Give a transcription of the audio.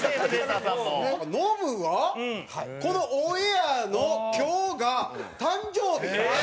ノブはこのオンエアの今日が誕生日。